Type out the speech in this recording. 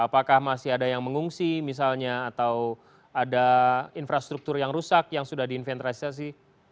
apakah masih ada yang mengungsi misalnya atau ada infrastruktur yang rusak yang sudah diinventarisasi